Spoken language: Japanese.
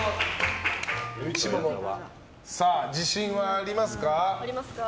自信はありますか？